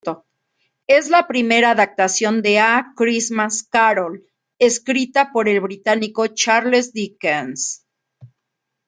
Es la primera adaptación de "A Christmas Carol", escrita por el británico Charles Dickens.